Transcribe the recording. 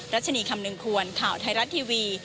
รัชนีคำนึงควรข่าวไทยรัฐทีวี